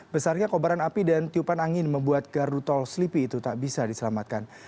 besarnya kobaran api dan tiupan angin membuat gardu tol selipi itu tak bisa diselamatkan